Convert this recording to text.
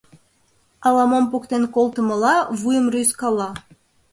Ала-мом поктен колтымыла, вуйым рӱзкала.